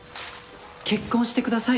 結婚してください。